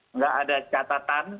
nggak ada catatan